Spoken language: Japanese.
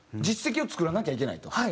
実績を作らなきゃいけないと。